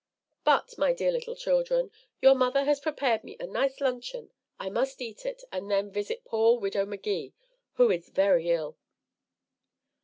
"But, my dear little children, your mother has prepared me a nice luncheon. I must eat it, and then visit poor Widow McGee, who is very ill."